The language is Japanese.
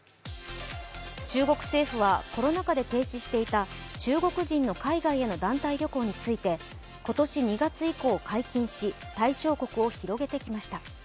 中国政府はコロナ禍で停止していた中国人の海外への団体旅行について今年２月以降、解禁し、対象国を広げてきました。